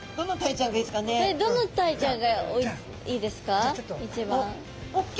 どのタイちゃんがいいですかね？